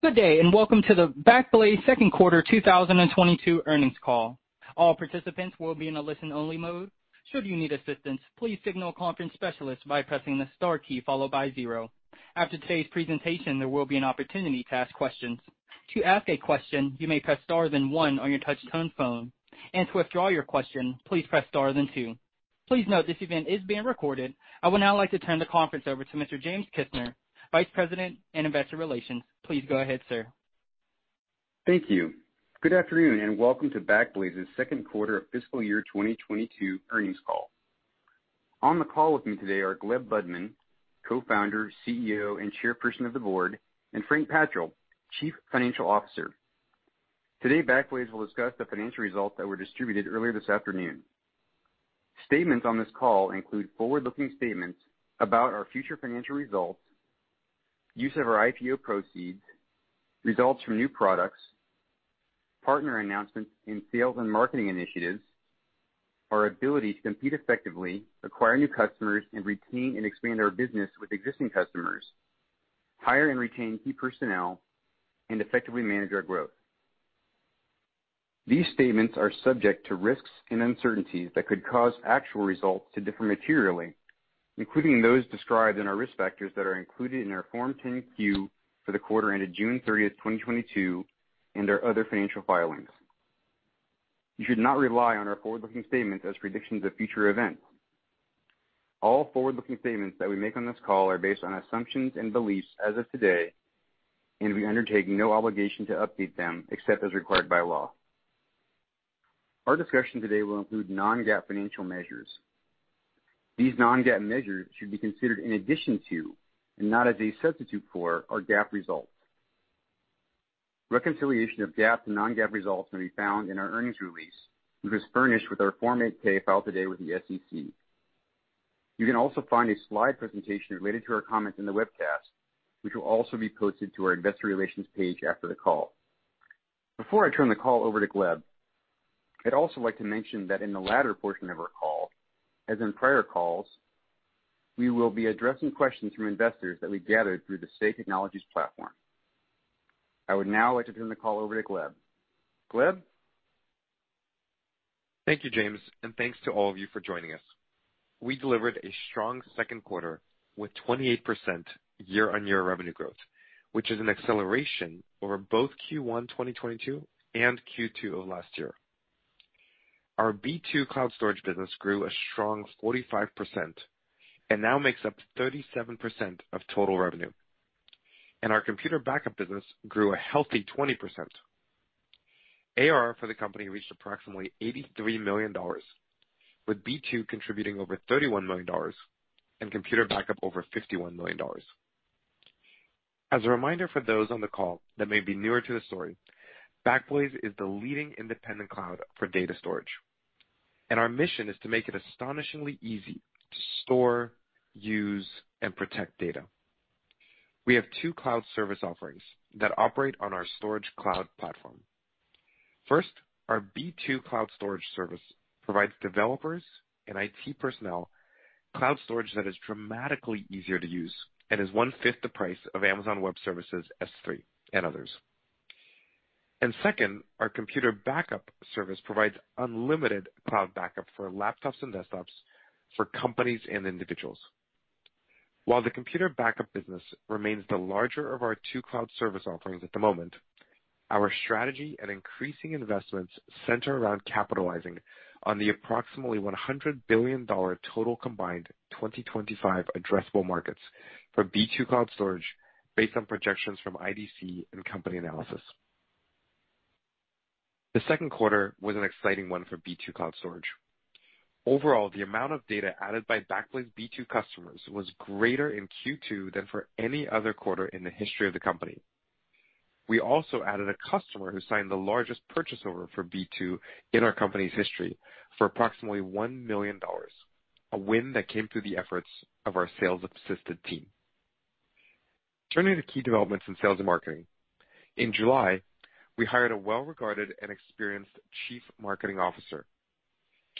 Good day, and welcome to the Backblaze second quarter 2022 earnings call. All participants will be in a listen only mode. Should you need assistance, please signal a conference specialist by pressing the star key followed by zero. After today's presentation, there will be an opportunity to ask questions. To ask a question, you may press star then one on your touchtone phone, and to withdraw your question, please press star then two. Please note this event is being recorded. I would now like to turn the conference over to Mr. James Kisner, Vice President in Investor Relations. Please go ahead, sir. Thank you. Good afternoon, and welcome to Backblaze's second quarter of Fiscal Year 2022 earnings call. On the call with me today are Gleb Budman, Co-Founder, CEO, and Chairperson of the Board, and Frank Patchel, Chief Financial Officer. Today, Backblaze will discuss the financial results that were distributed earlier this afternoon. Statements on this call include forward-looking statements about our future financial results, use of our IPO proceeds, results from new products, partner announcements in sales and marketing initiatives, our ability to compete effectively, acquire new customers, and retain and expand our business with existing customers, hire and retain key personnel, and effectively manage our growth. These statements are subject to risks and uncertainties that could cause actual results to differ materially, including those described in our risk factors that are included in our Form 10-Q for the quarter ended June 30, 2022, and our other financial filings. You should not rely on our forward-looking statements as predictions of future events. All forward-looking statements that we make on this call are based on assumptions and beliefs as of today, and we undertake no obligation to update them except as required by law. Our discussion today will include non-GAAP financial measures. These non-GAAP measures should be considered in addition to and not as a substitute for our GAAP results. Reconciliation of GAAP to non-GAAP results may be found in our earnings release, which was furnished with our Form 8-K filed today with the SEC. You can also find a slide presentation related to our comments in the webcast, which will also be posted to our investor relations page after the call. Before I turn the call over to Gleb, I'd also like to mention that in the latter portion of our call, as in prior calls, we will be addressing questions from investors that we gathered through the Say Technologies platform. I would now like to turn the call over to Gleb. Gleb? Thank you, James, and thanks to all of you for joining us. We delivered a strong second quarter with 28% year-on-year revenue growth, which is an acceleration over both Q1 2022 and Q2 of last year. Our B2 Cloud Storage business grew a strong 45% and now makes up 37% of total revenue. Our Computer Backup business grew a healthy 20%. AR for the company reached approximately $83 million, with B2 contributing over $31 million and Computer Backup over $51 million. As a reminder for those on the call that may be newer to the story, Backblaze is the leading independent cloud for data storage, and our mission is to make it astonishingly easy to store, use, and protect data. We have two cloud service offerings that operate on our storage cloud platform. First, our B2 Cloud Storage service provides developers and IT personnel cloud storage that is dramatically easier to use and is one-fifth the price of Amazon Web Services S3 and others. Second, our Computer Backup service provides unlimited cloud backup for laptops and desktops for companies and individuals. While the Computer Backup business remains the larger of our two cloud service offerings at the moment, our strategy and increasing investments center around capitalizing on the approximately $100 billion total combined 2025 addressable markets for B2 Cloud Storage based on projections from IDC and company analysis. The second quarter was an exciting one for B2 Cloud Storage. Overall, the amount of data added by Backblaze B2 customers was greater in Q2 than for any other quarter in the history of the company. We also added a customer who signed the largest purchase order for B2 in our company's history for approximately $1 million, a win that came through the efforts of our sales-assisted team. Turning to key developments in sales and marketing. In July, we hired a well-regarded and experienced chief marketing officer.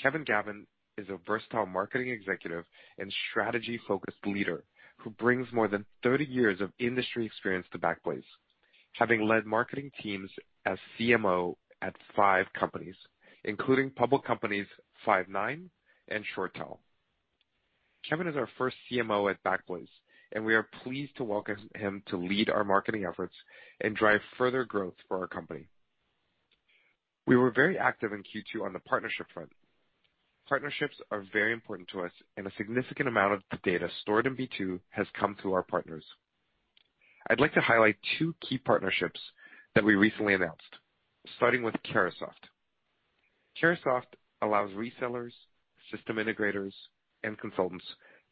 Kevin Gavin is a versatile marketing executive and strategy-focused leader who brings more than 30 years of industry experience to Backblaze, having led marketing teams as CMO at five companies, including public companies Five9 and ShoreTel. Kevin is our first CMO at Backblaze, and we are pleased to welcome him to lead our marketing efforts and drive further growth for our company. We were very active in Q2 on the partnership front. Partnerships are very important to us, and a significant amount of the data stored in B2 has come through our partners. I'd like to highlight two key partnerships that we recently announced, starting with Carahsoft. Carahsoft allows resellers, system integrators, and consultants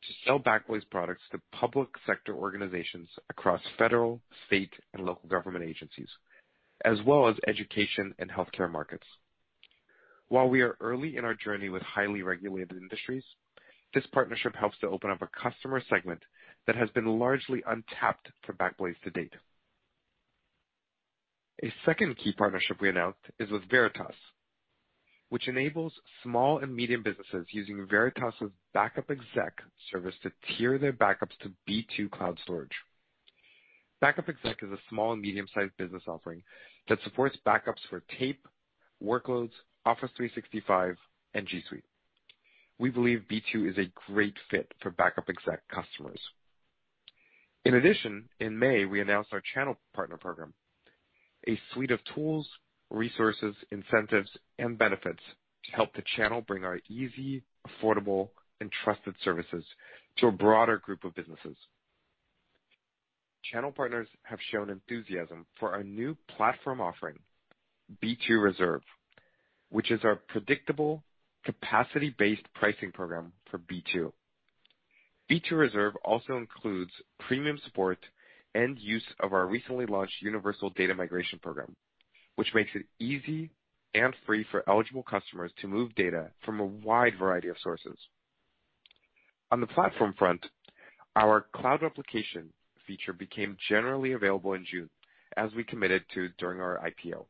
to sell Backblaze products to public sector organizations across federal, state, and local government agencies, as well as education and healthcare markets. While we are early in our journey with highly regulated industries, this partnership helps to open up a customer segment that has been largely untapped for Backblaze to date. A second key partnership we announced is with Veritas, which enables small and medium businesses using Veritas' Backup Exec service to tier their backups to B2 Cloud Storage. Backup Exec is a small and medium-sized business offering that supports backups for tape, workloads, Office 365, and G Suite. We believe B2 is a great fit for Backup Exec customers. In addition, in May, we announced our channel partner program, a suite of tools, resources, incentives, and benefits to help the channel bring our easy, affordable, and trusted services to a broader group of businesses. Channel partners have shown enthusiasm for our new platform offering, B2 Reserve, which is our predictable capacity-based pricing program for B2. B2 Reserve also includes premium support and use of our recently launched Universal Data Migration program, which makes it easy and free for eligible customers to move data from a wide variety of sources. On the platform front, our Cloud Replication feature became generally available in June, as we committed to during our IPO.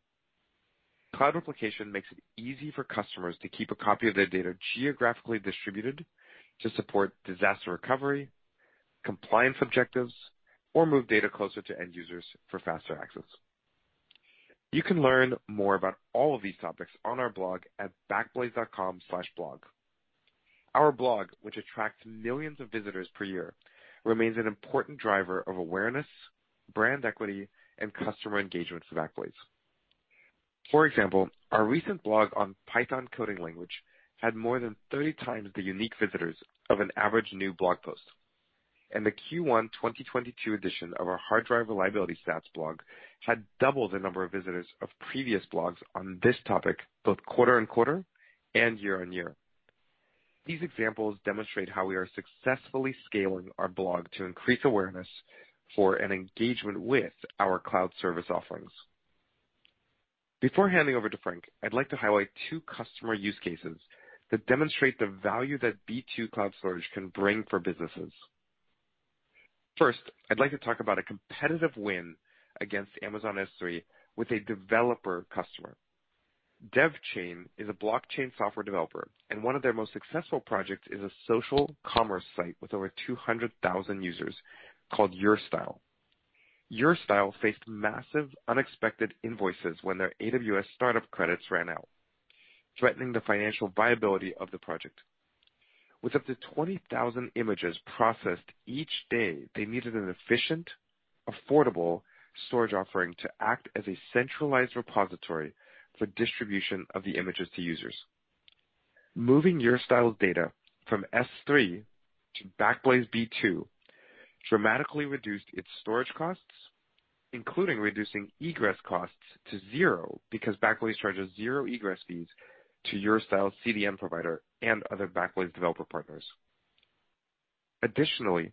Cloud Replication makes it easy for customers to keep a copy of their data geographically distributed to support disaster recovery, compliance objectives, or move data closer to end users for faster access. You can learn more about all of these topics on our blog at backblaze.com/blog. Our blog, which attracts millions of visitors per year, remains an important driver of awareness, brand equity, and customer engagement for Backblaze. For example, our recent blog on Python coding language had more than 30 times the unique visitors of an average new blog post, and the Q1 2022 edition of our hard drive reliability stats blog had double the number of visitors of previous blogs on this topic, both quarter-over-quarter and year-over-year. These examples demonstrate how we are successfully scaling our blog to increase awareness and engagement with our cloud service offerings. Before handing over to Frank, I'd like to highlight two customer use cases that demonstrate the value that B2 Cloud Storage can bring for businesses. First, I'd like to talk about a competitive win against Amazon S3 with a developer customer. DevChain is a blockchain software developer, and one of their most successful projects is a social commerce site with over 200,000 users called URSTYLE. URSTYLE faced massive unexpected invoices when their AWS startup credits ran out, threatening the financial viability of the project. With up to 20,000 images processed each day, they needed an efficient, affordable storage offering to act as a centralized repository for distribution of the images to users. Moving URSTYLE's data from S3 to Backblaze B2 dramatically reduced its storage costs, including reducing egress costs to zero, because Backblaze charges zero egress fees to URSTYLE's CDN provider and other Backblaze developer partners. Additionally,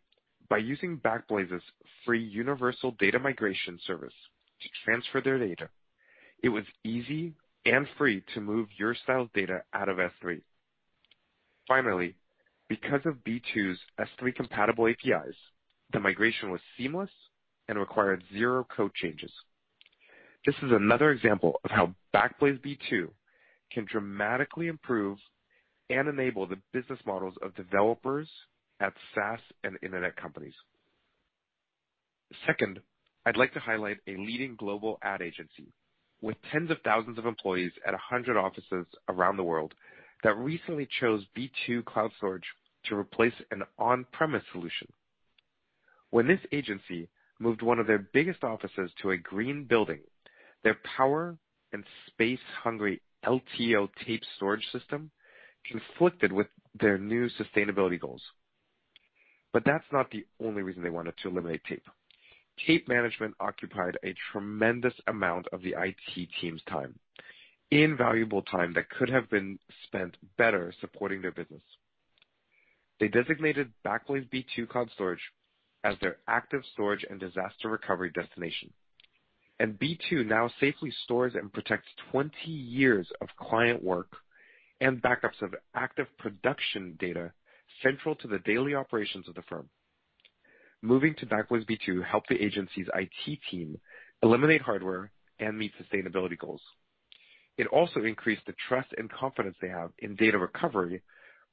by using Backblaze's free universal data migration service to transfer their data, it was easy and free to move URSTYLE's data out of S3. Finally, because of B2's S3-compatible APIs, the migration was seamless and required zero code changes. This is another example of how Backblaze B2 can dramatically improve and enable the business models of developers at SaaS and internet companies. Second, I'd like to highlight a leading global ad agency with tens of thousands of employees at 100 offices around the world that recently chose B2 Cloud Storage to replace an on-premise solution. When this agency moved one of their biggest offices to a green building, their power and space-hungry LTO tape storage system conflicted with their new sustainability goals. That's not the only reason they wanted to eliminate tape. Tape management occupied a tremendous amount of the IT team's time, invaluable time that could have been spent better supporting their business. They designated Backblaze B2 Cloud Storage as their active storage and disaster recovery destination, and B2 now safely stores and protects 20 years of client work and backups of active production data central to the daily operations of the firm. Moving to Backblaze B2 helped the agency's IT team eliminate hardware and meet sustainability goals. It also increased the trust and confidence they have in data recovery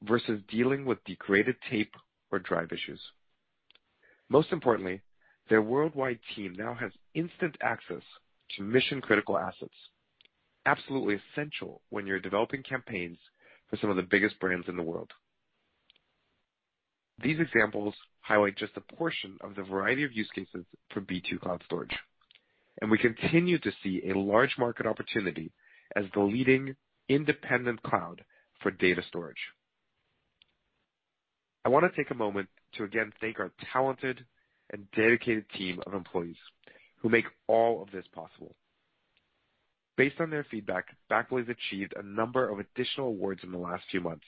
versus dealing with degraded tape or drive issues. Most importantly, their worldwide team now has instant access to mission-critical assets, absolutely essential when you're developing campaigns for some of the biggest brands in the world. These examples highlight just a portion of the variety of use cases for B2 Cloud Storage, and we continue to see a large market opportunity as the leading independent cloud for data storage. I want to take a moment to again thank our talented and dedicated team of employees who make all of this possible. Based on their feedback, Backblaze achieved a number of additional awards in the last few months,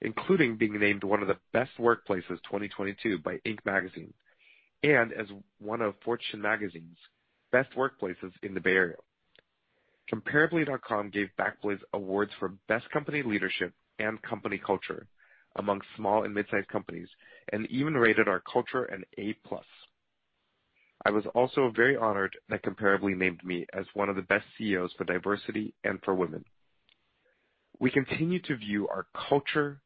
including being named one of the best workplaces 2022 by Inc. magazine, and as one of Fortune magazine's best workplaces in the Bay Area. Comparably.com gave Backblaze awards for best company leadership and company culture among small and mid-sized companies, and even rated our culture an A+. I was also very honored that Comparably named me as one of the best CEOs for diversity and for women. We continue to view our culture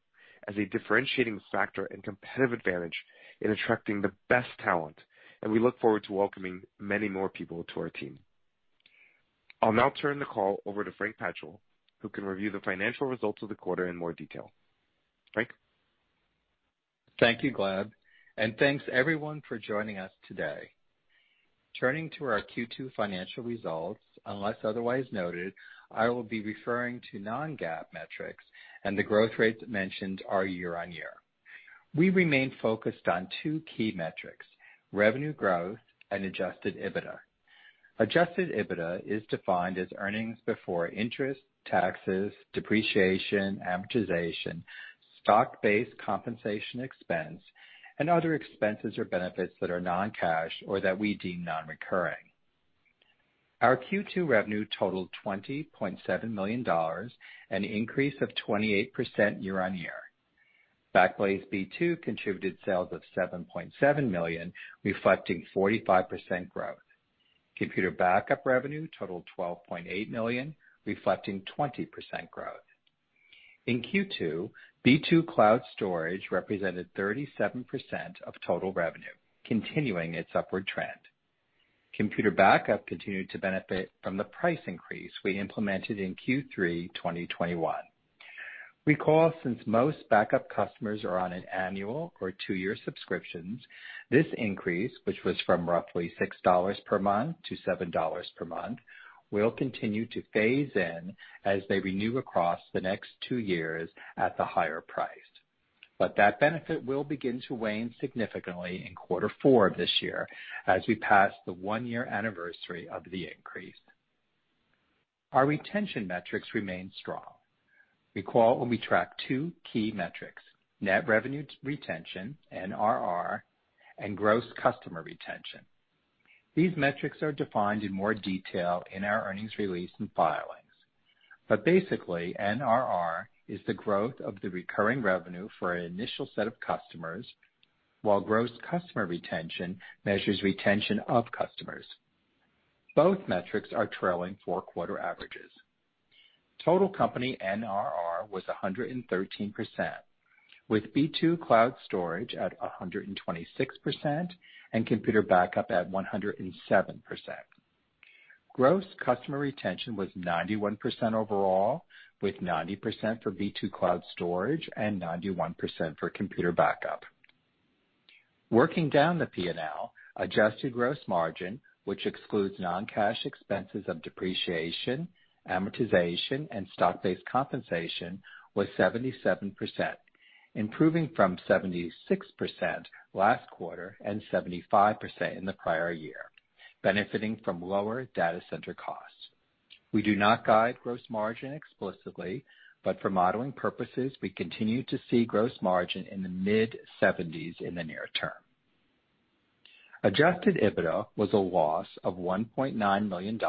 as a differentiating factor and competitive advantage in attracting the best talent, and we look forward to welcoming many more people to our team. I'll now turn the call over to Frank Patchel, who can review the financial results of the quarter in more detail. Frank? Thank you, Gleb, and thanks everyone for joining us today. Turning to our Q2 financial results, unless otherwise noted, I will be referring to non-GAAP metrics, and the growth rates mentioned are year-over-year. We remain focused on two key metrics, revenue growth and adjusted EBITDA. Adjusted EBITDA is defined as earnings before interest, taxes, depreciation, amortization, stock-based compensation expense, and other expenses or benefits that are non-cash or that we deem non-recurring. Our Q2 revenue totaled $20.7 million, an increase of 28% year-over-year. Backblaze B2 contributed sales of $7.7 million, reflecting 45% growth. Computer Backup revenue totaled $12.8 million, reflecting 20% growth. In Q2, B2 Cloud Storage represented 37% of total revenue, continuing its upward trend. Computer Backup continued to benefit from the price increase we implemented in Q3 2021. Recall, since most backup customers are on an annual or two-year subscriptions, this increase, which was from roughly $6 per month to $7 per month, will continue to phase in as they renew across the next two years at the higher price. That benefit will begin to wane significantly in quarter four this year as we pass the one-year anniversary of the increase. Our retention metrics remain strong. Recall when we track two key metrics, net revenue retention, NRR, and gross customer retention. These metrics are defined in more detail in our earnings release and filings. Basically, NRR is the growth of the recurring revenue for an initial set of customers, while gross customer retention measures retention of customers. Both metrics are trailing four-quarter averages. Total company NRR was 113%, with B2 Cloud Storage at 126% and Computer Backup at 107%. Gross customer retention was 91% overall, with 90% for B2 Cloud Storage and 91% for Computer Backup. Working down the P&L, adjusted gross margin, which excludes non-cash expenses of depreciation, amortization, and stock-based compensation, was 77%, improving from 76% last quarter and 75% in the prior year, benefiting from lower data center costs. We do not guide gross margin explicitly, but for modeling purposes, we continue to see gross margin in the mid-70s in the near term. Adjusted EBITDA was a loss of $1.9 million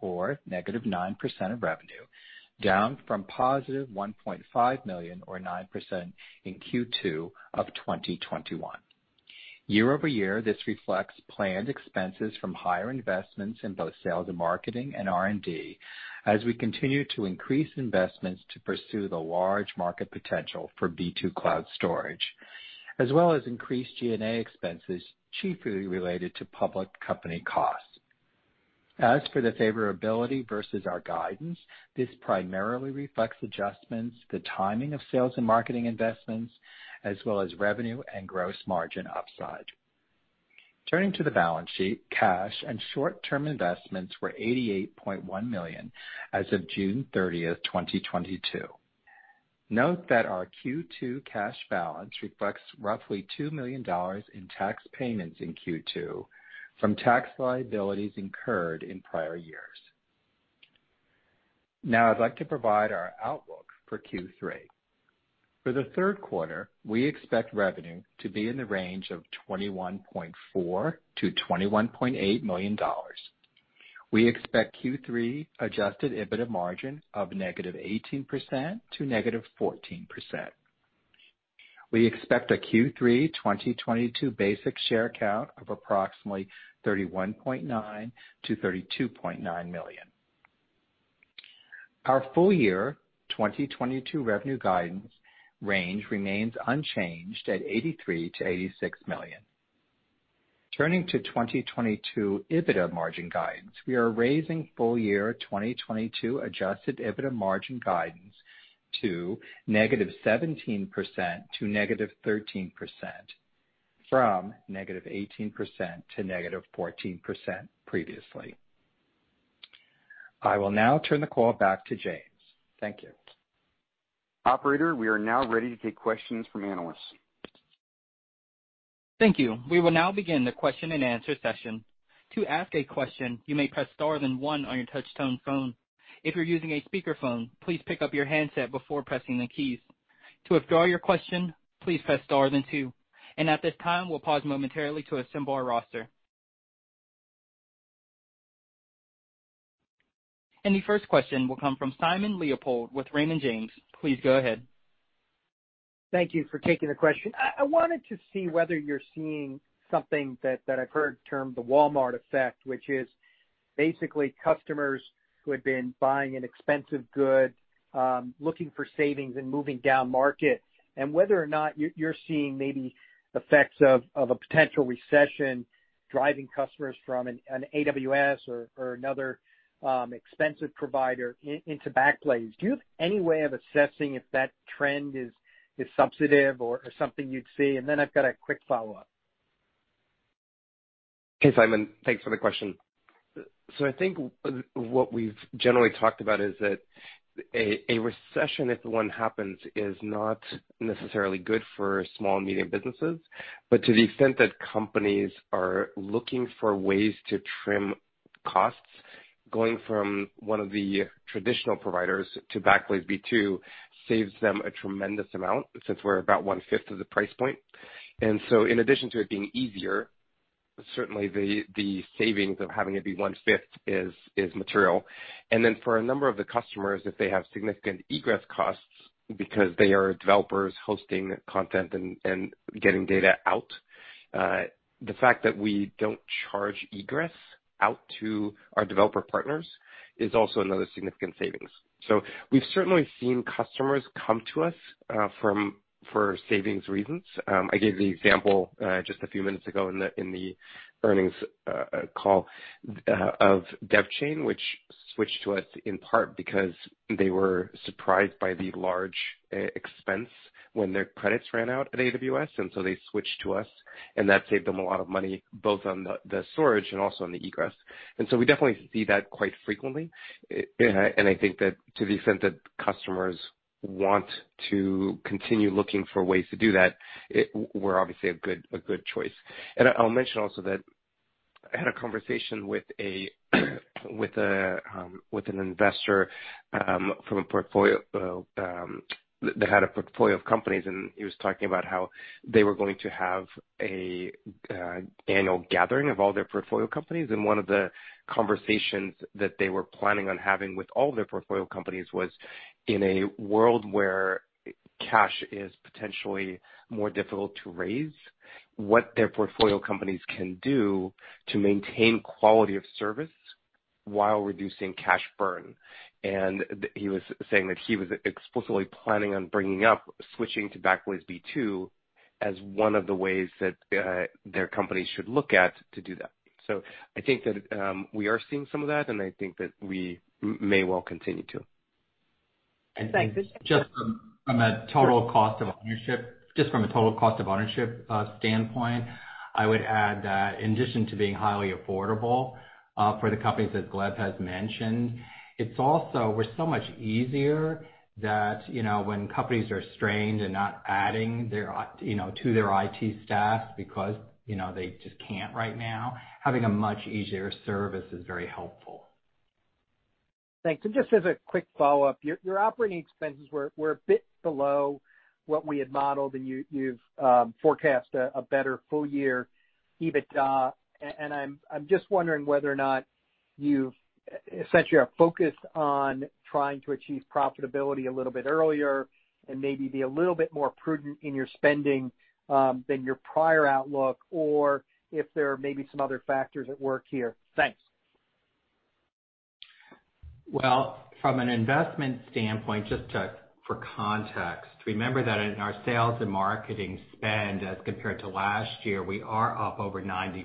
or -9% of revenue, down from positive $1.5 million or 9% in Q2 of 2021. Year over year, this reflects planned expenses from higher investments in both sales and marketing and R&D as we continue to increase investments to pursue the large market potential for B2 Cloud Storage, as well as increased G&A expenses, chiefly related to public company costs. As for the favorability versus our guidance, this primarily reflects adjustments, the timing of sales and marketing investments, as well as revenue and gross margin upside. Turning to the balance sheet, cash and short-term investments were $88.1 million as of June 30, 2022. Note that our Q2 cash balance reflects roughly $2 million in tax payments in Q2 from tax liabilities incurred in prior years. Now I'd like to provide our outlook for Q3. For the third quarter, we expect revenue to be in the range of $21.4 million-$21.8 million. We expect Q3 adjusted EBITDA margin of -18% to -14%. We expect a Q3 2022 basic share count of approximately 31.9 million-32.9 million. Our full year 2022 revenue guidance range remains unchanged at $83 million-$86 million. Turning to 2022 EBITDA margin guidance, we are raising full year 2022 adjusted EBITDA margin guidance to -17% to -13% from -18% to -14% previously. I will now turn the call back to James. Thank you. Operator, we are now ready to take questions from analysts. Thank you. We will now begin the question and answer session. To ask a question, you may press star then one on your touch tone phone. If you're using a speaker phone, please pick up your handset before pressing the keys. To withdraw your question, please press star then two. At this time, we'll pause momentarily to assemble our roster. The first question will come from Simon Leopold with Raymond James. Please go ahead. Thank you for taking the question. I wanted to see whether you're seeing something that I've heard termed the Walmart effect, which is basically customers who had been buying an expensive good, looking for savings and moving down market, and whether or not you're seeing maybe effects of a potential recession driving customers from an AWS or another expensive provider into Backblaze. Do you have any way of assessing if that trend is substantive or something you'd see? I've got a quick follow-up. Okay, Simon, thanks for the question. I think what we've generally talked about is that a recession, if one happens, is not necessarily good for small and medium businesses. To the extent that companies are looking for ways to trim costs, going from one of the traditional providers to Backblaze B2 saves them a tremendous amount since we're about one-fifth of the price point. In addition to it being easier, certainly the savings of having it be one-fifth is material. For a number of the customers, if they have significant egress costs because they are developers hosting content and getting data out, the fact that we don't charge egress out to our developer partners is also another significant savings. We've certainly seen customers come to us from for savings reasons. I gave the example just a few minutes ago in the earnings call of DevChain, which switched to us in part because they were surprised by the large expense when their credits ran out at AWS. They switched to us, and that saved them a lot of money, both on the storage and also on the egress. We definitely see that quite frequently. I think that to the extent that customers want to continue looking for ways to do that, we're obviously a good choice. I'll mention also that I had a conversation with an investor from a portfolio that had a portfolio of companies. He was talking about how they were going to have a annual gathering of all their portfolio companies, and one of the conversations that they were planning on having with all their portfolio companies was in a world where cash is potentially more difficult to raise, what their portfolio companies can do to maintain quality of service while reducing cash burn. He was saying that he was explicitly planning on bringing up switching to Backblaze B2 as one of the ways that their companies should look at to do that. I think that we are seeing some of that, and I think that we may well continue to. Thanks. Just from a total cost of ownership standpoint, I would add that in addition to being highly affordable for the companies that Gleb has mentioned, it's also we're so much easier that, you know, when companies are strained and not adding their, you know, to their IT staff because, you know, they just can't right now, having a much easier service is very helpful. Thanks. Just as a quick follow-up, your operating expenses were a bit below what we had modeled, and you've forecast a better full year EBITDA. I'm just wondering whether or not you've essentially are focused on trying to achieve profitability a little bit earlier and maybe be a little bit more prudent in your spending than your prior outlook or if there are maybe some other factors at work here. Thanks. Well, from an investment standpoint, just to, for context, remember that in our sales and marketing spend as compared to last year, we are up over 90%.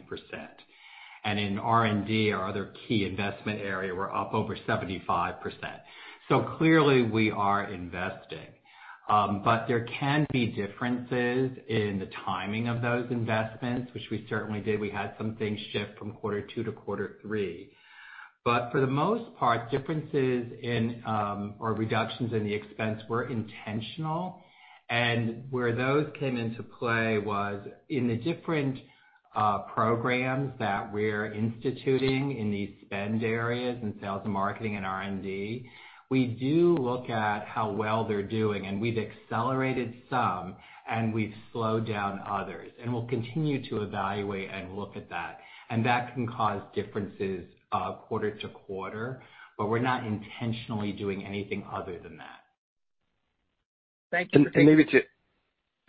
In R&D, our other key investment area, we're up over 75%. Clearly we are investing. There can be differences in the timing of those investments, which we certainly did. We had some things shift from quarter two to quarter three. For the most part, differences in, or reductions in the expense were intentional. Where those came into play was in the different, programs that we're instituting in these spend areas in sales and marketing and R&D, we do look at how well they're doing, and we've accelerated some and we've slowed down others. We'll continue to evaluate and look at that. That can cause differences quarter-over-quarter, but we're not intentionally doing anything other than that. Thank you. And maybe to-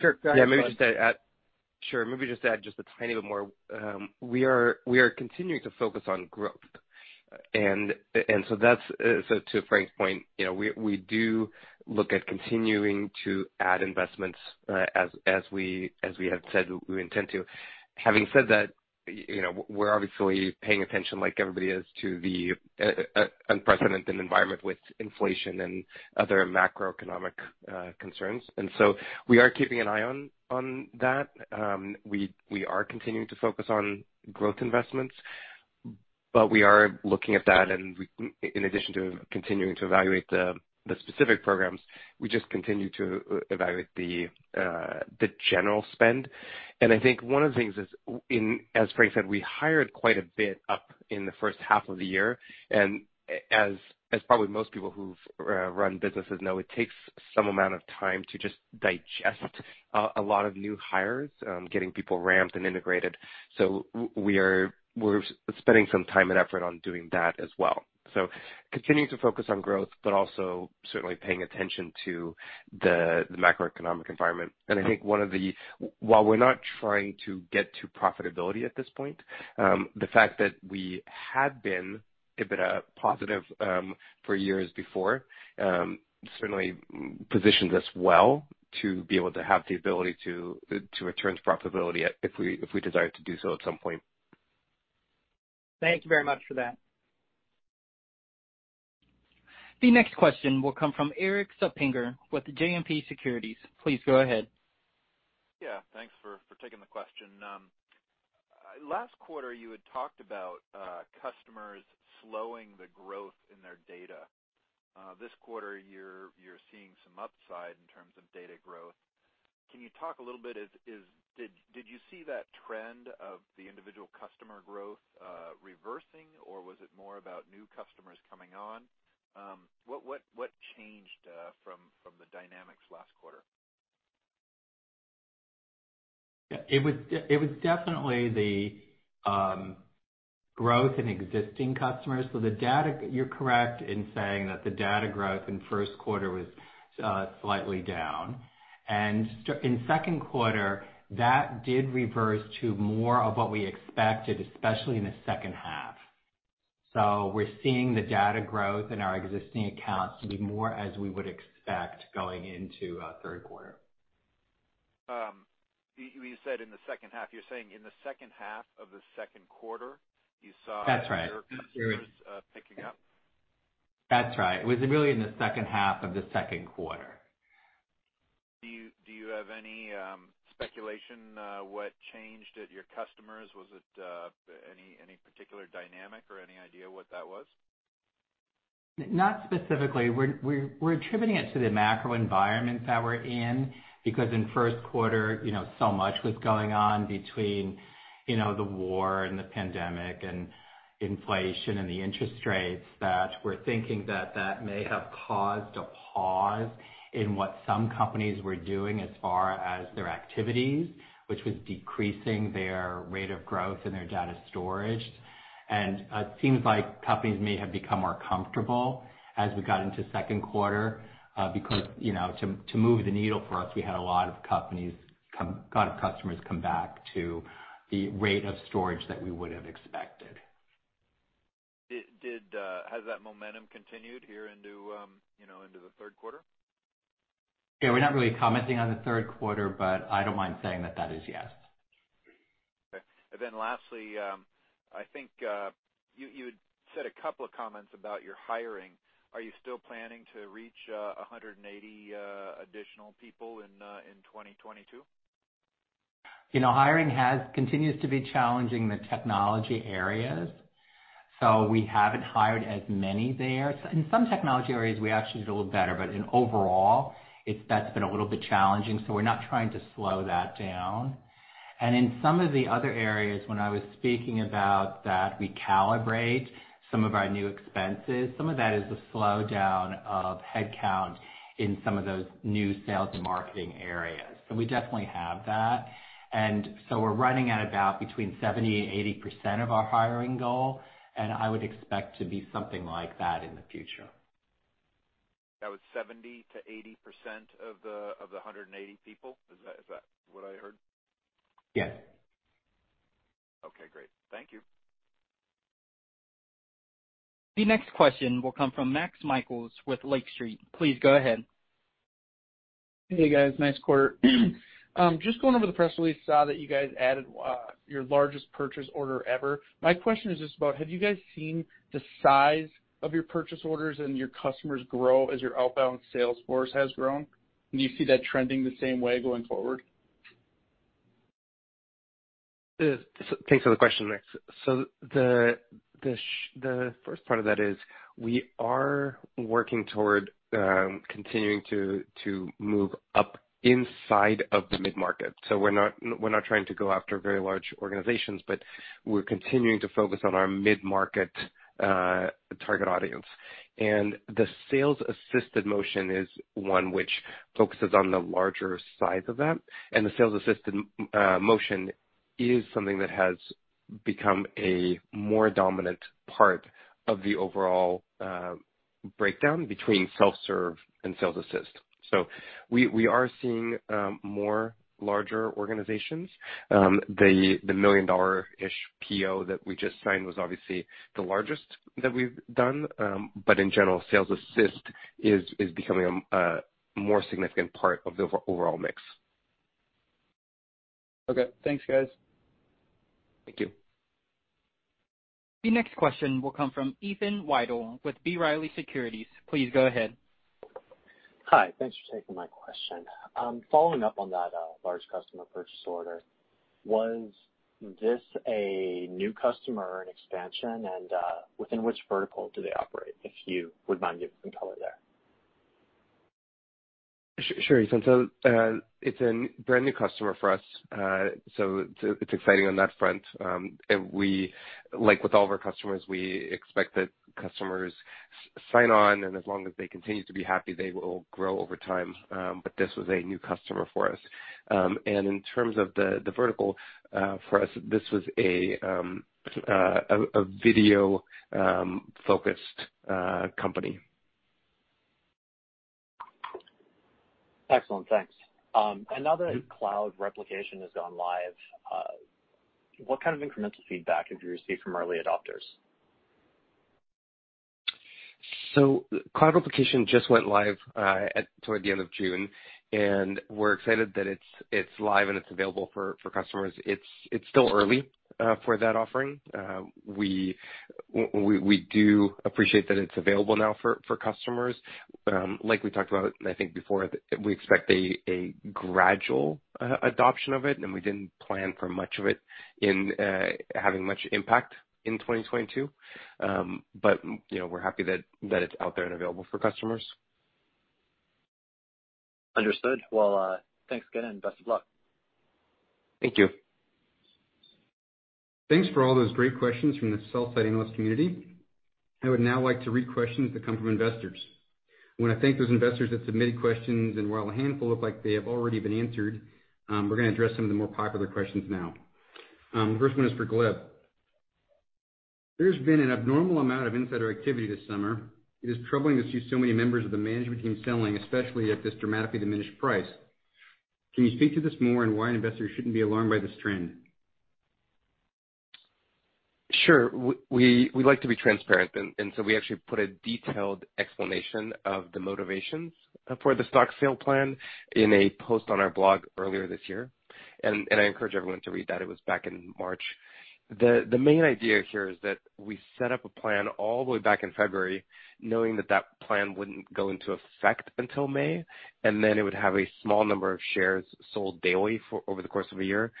Sure, go ahead, Gleb. Yeah, maybe just to add. Sure. Maybe just add just a tiny bit more. We are continuing to focus on growth. That's to Frank's point. You know, we do look at continuing to add investments, as we have said we intend to. Having said that, you know, we're obviously paying attention like everybody is to the unprecedented environment with inflation and other macroeconomic concerns. We are keeping an eye on that. We are continuing to focus on growth investments. We are looking at that, and in addition to continuing to evaluate the specific programs, we just continue to evaluate the general spend. I think one of the things is as Frank said, we hired quite a bit up in the first half of the year. As probably most people who've run businesses know, it takes some amount of time to just digest a lot of new hires, getting people ramped and integrated. We're spending some time and effort on doing that as well. Continuing to focus on growth, but also certainly paying attention to the macroeconomic environment. I think while we're not trying to get to profitability at this point, the fact that we had been EBITDA positive for years before certainly positions us well to be able to have the ability to return to profitability if we desire to do so at some point. Thank you very much for that. The next question will come from Erik Suppiger with JMP Securities. Please go ahead. Yeah, thanks for taking the question. Last quarter you had talked about customers slowing the growth in their data. This quarter, you're seeing some upside in terms of data growth. Can you talk a little bit, did you see that trend of the individual customer growth reversing, or was it more about new customers coming on? What changed from the dynamics last quarter? Yeah, it was definitely the growth in existing customers. You're correct in saying that the data growth in first quarter was slightly down. In second quarter, that did reverse to more of what we expected, especially in the second half. We're seeing the data growth in our existing accounts to be more as we would expect going into third quarter. You said in the second half. You're saying in the second half of the second quarter, you saw. That's right. ...your customers, picking up? That's right. It was really in the second half of the second quarter. Do you have any speculation what changed at your customers? Was it any particular dynamic or any idea what that was? Not specifically. We're attributing it to the macro environment that we're in, because in first quarter, you know, so much was going on between, you know, the war and the pandemic and inflation and the interest rates, that we're thinking that may have caused a pause in what some companies were doing as far as their activities, which was decreasing their rate of growth and their data storage. Seems like companies may have become more comfortable as we got into second quarter, because, you know, to move the needle for us, we had a lot of customers come back to the rate of storage that we would have expected. Has that momentum continued here into, you know, into the third quarter? Yeah, we're not really commenting on the third quarter, but I don't mind saying that is yes. Okay. Lastly, I think, you had said a couple of comments about your hiring. Are you still planning to reach 180 additional people in 2022? You know, hiring continues to be challenging in the technology areas, so we haven't hired as many there. In some technology areas, we actually did a little better, but in overall that's been a little bit challenging, so we're not trying to slow that down. In some of the other areas, when I was speaking about that recalibrate some of our new expenses, some of that is the slowdown of headcount in some of those new sales and marketing areas. We definitely have that. We're running at about between 70% and 80% of our hiring goal, and I would expect to be something like that in the future. That was 70%-80% of the 180 people? Is that what I heard? Yes. Okay, great. Thank you. The next question will come from Max Michaelis with Lake Street. Please go ahead. Hey, guys. Nice quarter. Just going over the press release, saw that you guys added your largest purchase order ever. My question is just about have you guys seen the size of your purchase orders and your customers grow as your outbound sales force has grown? Do you see that trending the same way going forward? Thanks for the question, Max. The first part of that is we are working toward continuing to move up inside of the mid-market. We're not trying to go after very large organizations, but we're continuing to focus on our mid-market target audience. The sales assisted motion is one which focuses on the larger size of that. The sales assisted motion is something that has become a more dominant part of the overall breakdown between self-serve and sales assist. We are seeing more larger organizations. The $1 million-ish PO that we just signed was obviously the largest that we've done. In general, sales assist is becoming a more significant part of the overall mix. Okay. Thanks, guys. Thank you. The next question will come from Ethan Widell with B. Riley Securities. Please go ahead. Hi, thanks for taking my question. Following up on that large customer purchase order, was this a new customer or an expansion? Within which vertical do they operate? If you wouldn't mind giving some color there. Sure, Ethan. It's a brand new customer for us. It's exciting on that front. Like with all of our customers, we expect that customers sign on, and as long as they continue to be happy, they will grow over time. This was a new customer for us. In terms of the vertical, for us, this was a video focused company. Excellent. Thanks. Another Cloud Replication has gone live. What kind of incremental feedback have you received from early adopters? Cloud Replication just went live toward the end of June, and we're excited that it's live and it's available for customers. It's still early for that offering. We do appreciate that it's available now for customers. Like we talked about, I think before, we expect a gradual adoption of it, and we didn't plan for much of it in having much impact in 2022. You know, we're happy that it's out there and available for customers. Understood. Well, thanks again, and best of luck. Thank you. Thanks for all those great questions from the sell-side analyst community. I would now like to read questions that come from investors. I wanna thank those investors that submitted questions, and while a handful look like they have already been answered, we're gonna address some of the more popular questions now. First one is for Gleb. There's been an abnormal amount of insider activity this summer. It is troubling to see so many members of the management team selling, especially at this dramatically diminished price. Can you speak to this more and why investors shouldn't be alarmed by this trend? Sure. We like to be transparent, and so we actually put a detailed explanation of the motivations for the stock sale plan in a post on our blog earlier this year, and I encourage everyone to read that. It was back in March. The main idea here is that we set up a plan all the way back in February knowing that that plan wouldn't go into effect until May, and then it would have a small number of shares sold daily for over the course of a year,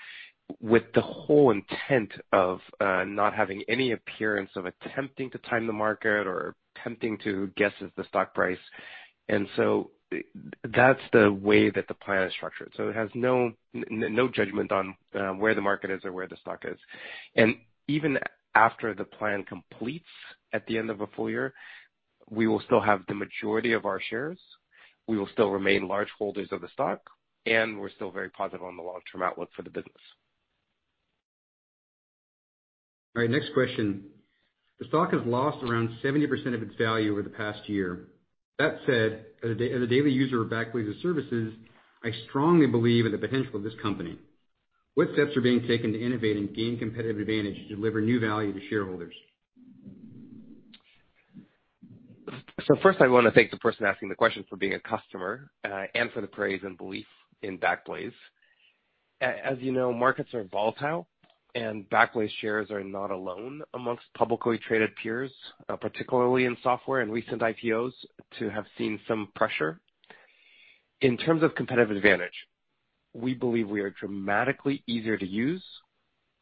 with the whole intent of not having any appearance of attempting to time the market or attempting to guess at the stock price. That's the way that the plan is structured. It has no judgment on where the market is or where the stock is. Even after the plan completes at the end of a full year, we will still have the majority of our shares. We will still remain large holders of the stock, and we're still very positive on the long-term outlook for the business. All right, next question. The stock has lost around 70% of its value over the past year. That said, as a daily user of Backblaze's services, I strongly believe in the potential of this company. What steps are being taken to innovate and gain competitive advantage to deliver new value to shareholders? First, I wanna thank the person asking the question for being a customer, and for the praise and belief in Backblaze. As you know, markets are volatile, and Backblaze shares are not alone amongst publicly traded peers, particularly in software and recent IPOs, to have seen some pressure. In terms of competitive advantage, we believe we are dramatically easier to use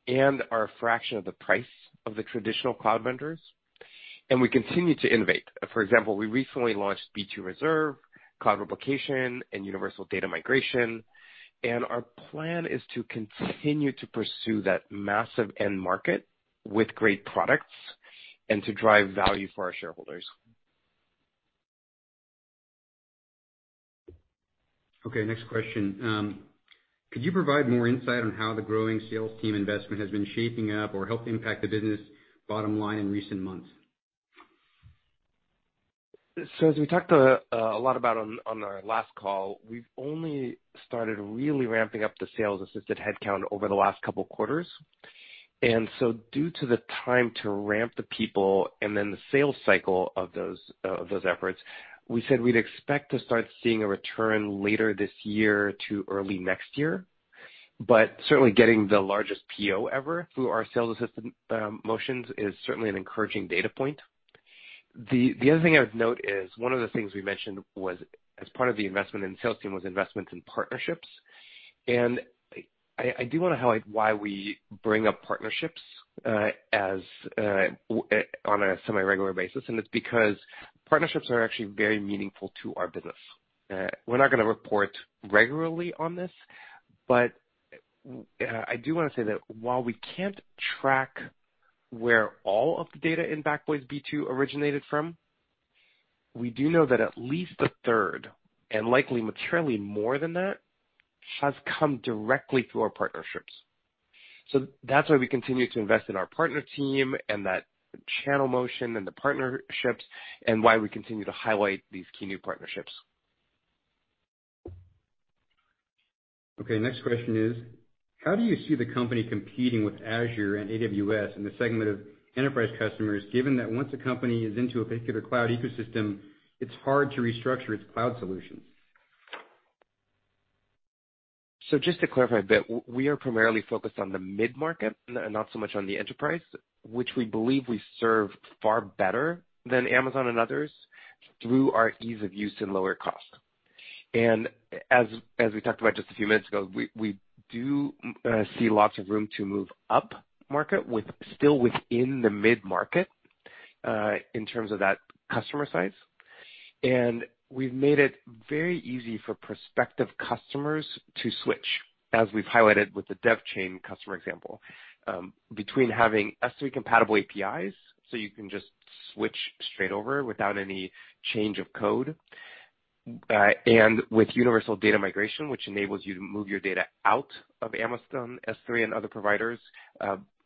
and are a fraction of the price of the traditional cloud vendors, and we continue to innovate. For example, we recently launched B2 Reserve, Cloud Replication, and Universal Data Migration, and our plan is to continue to pursue that massive end market with great products and to drive value for our shareholders. Okay, next question. Could you provide more insight on how the growing sales team investment has been shaping up or helped impact the business bottom line in recent months? As we talked a lot about on our last call, we've only started really ramping up the sales assistant headcount over the last couple quarters. Due to the time to ramp the people and then the sales cycle of those efforts, we said we'd expect to start seeing a return later this year to early next year. Certainly getting the largest PO ever through our sales assistant motions is certainly an encouraging data point. The other thing I would note is one of the things we mentioned was, as part of the investment in the sales team, investments in partnerships. I do wanna highlight why we bring up partnerships as on a semi-regular basis, and it's because partnerships are actually very meaningful to our business. We're not gonna report regularly on this, but I do wanna say that while we can't track where all of the data in Backblaze B2 originated from, we do know that at least a third, and likely materially more than that, has come directly through our partnerships. That's why we continue to invest in our partner team and that channel motion and the partnerships, and why we continue to highlight these key new partnerships. Okay, next question is, how do you see the company competing with Azure and AWS in the segment of enterprise customers, given that once a company is into a particular cloud ecosystem, it's hard to restructure its cloud solutions? Just to clarify a bit, we are primarily focused on the mid-market, not so much on the enterprise, which we believe we serve far better than Amazon and others through our ease of use and lower cost. As we talked about just a few minutes ago, we do see lots of room to move up market, still within the mid-market, in terms of that customer size. We've made it very easy for prospective customers to switch, as we've highlighted with the DevChain customer example, between having S3-compatible APIs, so you can just switch straight over without any change of code, and with Universal Data Migration, which enables you to move your data out of Amazon S3 and other providers,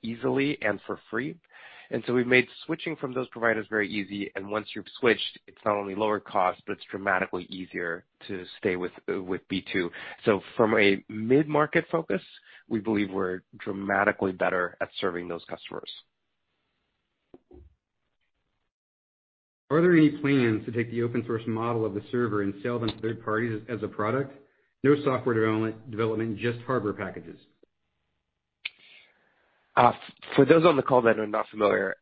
easily and for free. We've made switching from those providers very easy, and once you've switched, it's not only lower cost, but it's dramatically easier to stay with B2. From a mid-market focus, we believe we're dramatically better at serving those customers. Are there any plans to take the open source model of the server and sell them to third parties as a product? No software development, just hardware packages. For those on the call that are not familiar,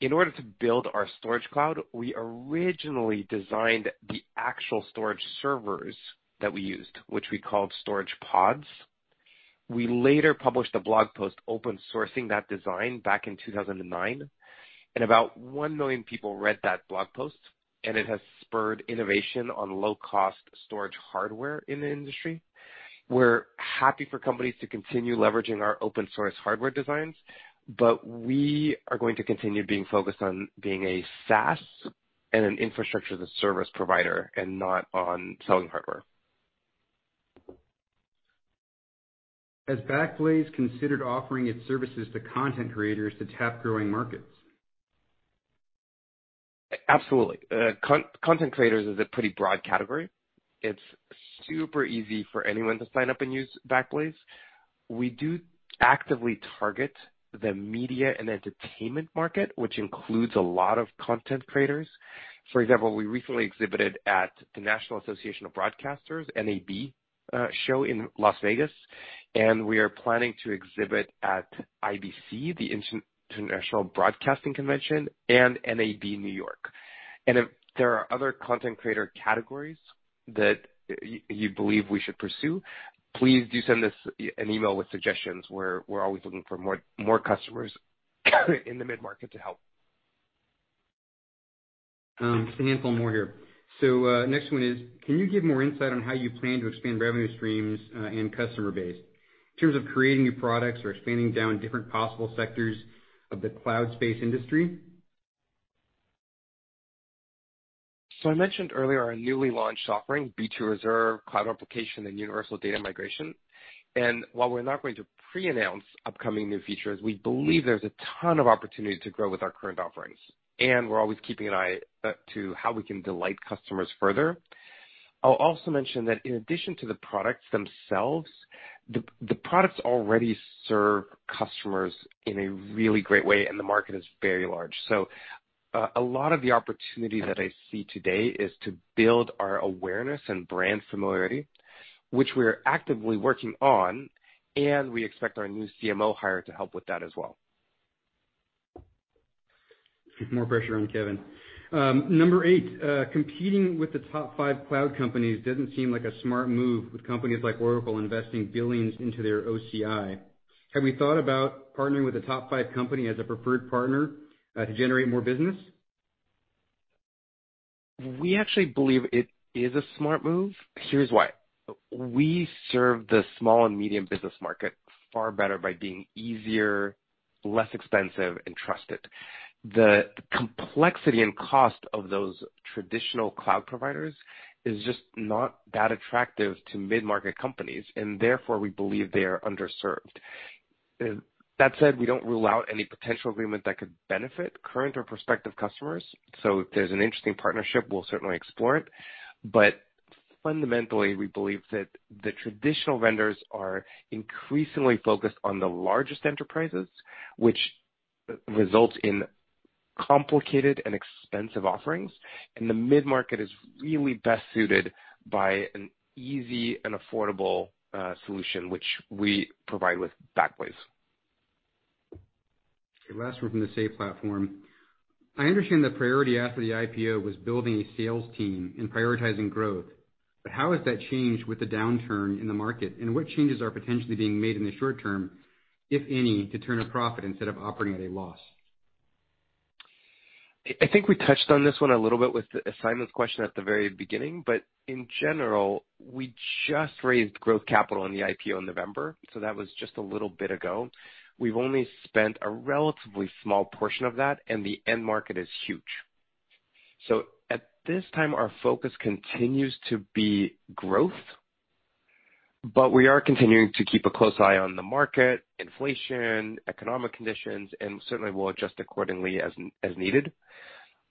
in order to build our storage cloud, we originally designed the actual storage servers that we used, which we called Storage Pods. We later published a blog post open sourcing that design back in 2009, and about 1 million people read that blog post, and it has spurred innovation on low-cost storage hardware in the industry. We're happy for companies to continue leveraging our open source hardware designs, but we are going to continue being focused on being a SaaS and an infrastructure as a service provider and not on selling hardware. Has Backblaze considered offering its services to content creators to tap growing markets? Absolutely. Content creators is a pretty broad category. It's super easy for anyone to sign up and use Backblaze. We do actively target the media and entertainment market, which includes a lot of content creators. For example, we recently exhibited at the National Association of Broadcasters, NAB, show in Las Vegas, and we are planning to exhibit at IBC, the International Broadcasting Convention, and NAB Show New York. If there are other content creator categories that you believe we should pursue, please do send us an email with suggestions. We're always looking for more customers in the mid-market to help. Just a handful more here. Next one is, can you give more insight on how you plan to expand revenue streams and customer base in terms of creating new products or expanding down different possible sectors of the cloud space industry? I mentioned earlier our newly launched offering, B2 Reserve, Cloud Replication, and Universal Data Migration. While we're not going to pre-announce upcoming new features, we believe there's a ton of opportunity to grow with our current offerings. We're always keeping an eye to how we can delight customers further. I'll also mention that in addition to the products themselves, the products already serve customers in a really great way, and the market is very large. A lot of the opportunity that I see today is to build our awareness and brand familiarity, which we're actively working on, and we expect our new CMO hire to help with that as well. More pressure on Kevin. Number eight, competing with the top five cloud companies doesn't seem like a smart move with companies like Oracle investing billions into their OCI. Have you thought about partnering with a top five company as a preferred partner, to generate more business? We actually believe it is a smart move. Here's why. We serve the small and medium business market far better by being easier, less expensive, and trusted. The complexity and cost of those traditional cloud providers is just not that attractive to mid-market companies, and therefore, we believe they are underserved. That said, we don't rule out any potential agreement that could benefit current or prospective customers. If there's an interesting partnership, we'll certainly explore it. Fundamentally, we believe that the traditional vendors are increasingly focused on the largest enterprises, which results in complicated and expensive offerings, and the mid-market is really best suited by an easy and affordable solution, which we provide with Backblaze. Last one from the Say platform. I understand the priority after the IPO was building a sales team and prioritizing growth, but how has that changed with the downturn in the market, and what changes are potentially being made in the short term, if any, to turn a profit instead of operating at a loss? I think we touched on this one a little bit with Simon's question at the very beginning, but in general, we just raised growth capital in the IPO in November, so that was just a little bit ago. We've only spent a relatively small portion of that, and the end market is huge. At this time, our focus continues to be growth, but we are continuing to keep a close eye on the market, inflation, economic conditions, and certainly we'll adjust accordingly as needed.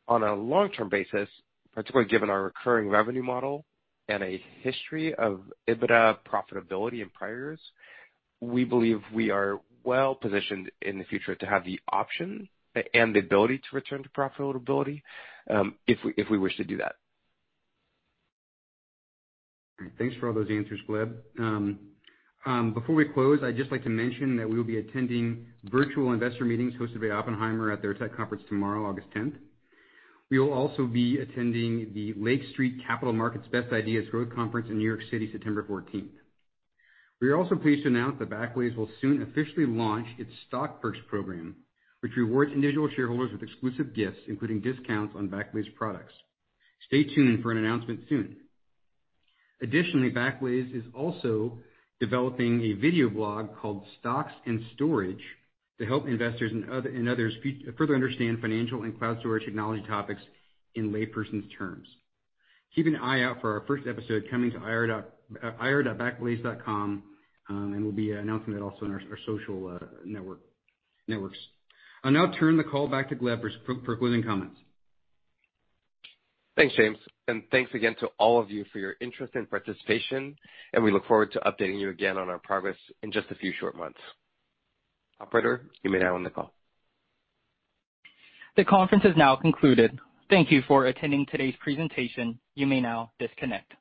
On a long-term basis, particularly given our recurring revenue model and a history of EBITDA profitability in priors, we believe we are well-positioned in the future to have the option and the ability to return to profitability, if we wish to do that. All right. Thanks for all those answers, Gleb. Before we close, I'd just like to mention that we will be attending virtual investor meetings hosted by Oppenheimer at their tech conference tomorrow, August tenth. We will also be attending the Lake Street Capital Markets Best Ideas Growth Conference in New York City, September fourteenth. We are also pleased to announce that Backblaze will soon officially launch its stock perks program, which rewards individual shareholders with exclusive gifts, including discounts on Backblaze products. Stay tuned for an announcement soon. Additionally, Backblaze is also developing a video blog called Stocks and Storage to help investors and others further understand financial and cloud storage technology topics in layperson's terms. Keep an eye out for our first episode coming to ir.backblaze.com, and we'll be announcing it also on our social networks. I'll now turn the call back to Gleb for closing comments. Thanks, James, and thanks again to all of you for your interest and participation, and we look forward to updating you again on our progress in just a few short months. Operator, you may now end the call. The conference is now concluded. Thank you for attending today's presentation. You may now disconnect.